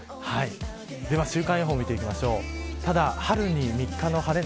では週間予報を見ていきましょう。